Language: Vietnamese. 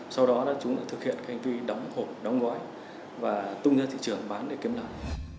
sau đó chúng đã thực hiện cái hành vi đóng hộp đóng gói và tung ra thị trường bán để kiếm lợi